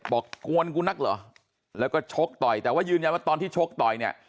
กวนกูนักเหรอแล้วก็ชกต่อยแต่ว่ายืนยันว่าตอนที่ชกต่อยเนี่ย